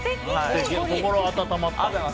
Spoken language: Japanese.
心温まったわ。